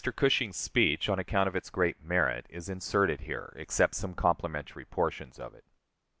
Cushing's speech, on account of its great merit, is inserted here, except some complimentary portions of it.